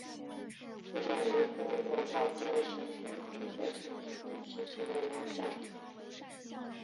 出生于呼和浩特市托克托县什拉毫村一个贫苦的秦姓农民家庭。